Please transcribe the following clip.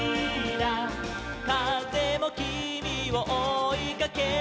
「かぜもきみをおいかけるよ」